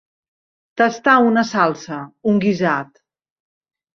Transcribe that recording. Tastar una salsa, un guisat.